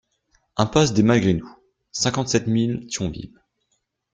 Impasse des Malgré-Nous, cinquante-sept mille cent Thionville